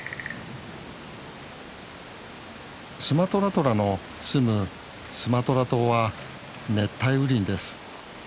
スマトラトラのすむスマトラ島は熱帯雨林です。